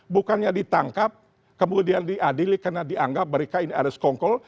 bukannya ditangkap kemudian diadili karena dianggap mereka ini ada sekongkol